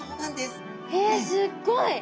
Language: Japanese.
へえすっごい！